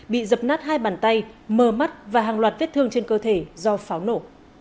bị dập nát hai bàn tay mờ mắt và hàng loạt vết thương trên cơ thể do pháo nổ